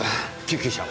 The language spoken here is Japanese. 救急車を。